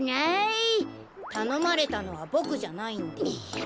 たのまれたのはボクじゃないんで。